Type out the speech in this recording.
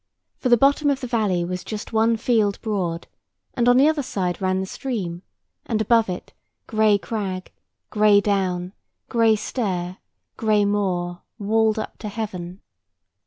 For the bottom of the valley was just one field broad, and on the other side ran the stream; and above it, gray crag, gray down, gray stair, gray moor walled up to heaven.